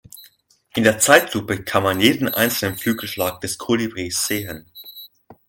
In der Zeitlupe kann man jeden einzelnen Flügelschlag des Kolibris sehen.